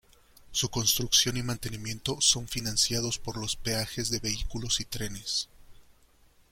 Su construcción y mantenimiento son financiados por los peajes de vehículos y trenes.